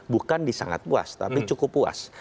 bukan di sangat puas tapi cukup puas